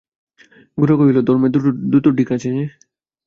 গোরা কহিল, ধর্মের দুটো দিক আছে যে।